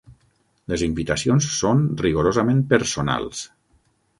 Les invitacions són rigorosament personals.